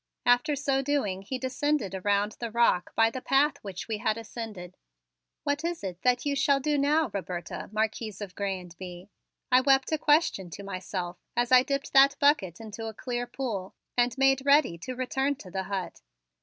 After so doing he descended around the rock by the path which we had ascended. "What is it that you shall do now, Roberta, Marquise of Grez and Bye?" I wept a question to myself as I dipped that bucket into a clear pool and made ready to return to the hut.